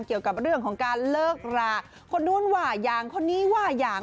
เกี่ยวกับเรื่องของการเลิกราคนนู้นว่าอย่างคนนี้ว่าอย่าง